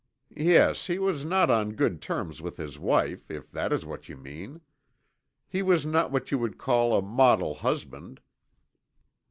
"Yes, he was not on good terms with his wife, if that is what you mean. He was not what you would call a model husband."